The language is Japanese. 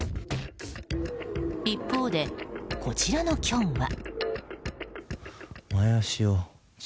一方でこちらのキョンは。